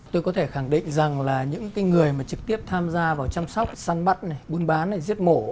tôi có thể khẳng định rằng là những người trực tiếp tham gia vào chăm sóc săn bắt buôn bán giết mổ